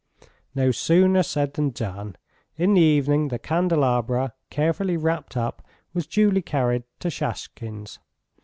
No sooner said than done. In the evening the candelabra, carefully wrapped up, was duly carried to Shashkin's.